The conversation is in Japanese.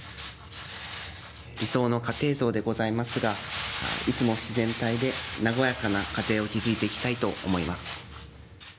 理想の家庭像でございますが、いつも自然体で和やかな家庭を築いていきたいと思います。